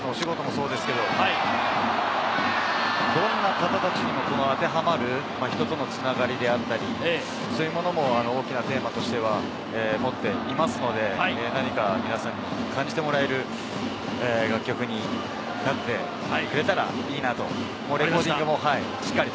そうですけれども、どんな方たちにも当てはまる、人との繋がりであったり、そういうものも大きなテーマとしては持っていますので、何か皆さんに感じてもらえる楽曲になってくれたらいいなと思います。